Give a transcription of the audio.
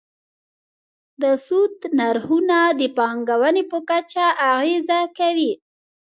د سود نرخونه د پانګونې په کچه اغېزه کوي.